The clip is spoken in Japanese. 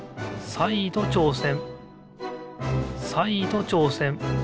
さいどちょうせん。